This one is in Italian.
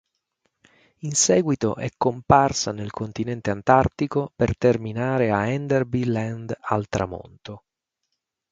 In seguito è comparsa nel continente antartico per terminare a Enderby Land al tramonto.